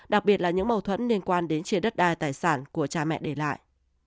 đặc biệt là những mâu thuẫn liên quan đến chia đất đai tài sản của cha mẹ để lại